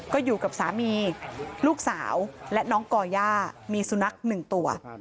ก็อยู่กับสามีลูกสาวและน้องก่อย่ามีสุนัขหนึ่งตัว